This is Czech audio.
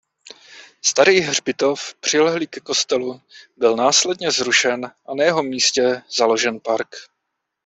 Starý hřbitov přilehlý ke kostelu byl následně zrušen a na jeho místě založen park.